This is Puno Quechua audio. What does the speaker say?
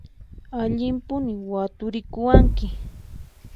Allimpuni waturikuwanki!